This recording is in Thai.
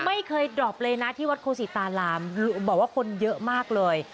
ไม่เคยดรอปเลยนะที่วัดโคศิตารามบอกว่าคนเยอะมากเลย